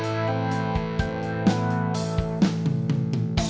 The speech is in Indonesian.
gak ada yang nanya